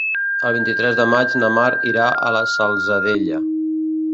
El vint-i-tres de maig na Mar irà a la Salzadella.